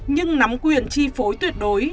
nhưng nắm quyền chi phối tuyệt đối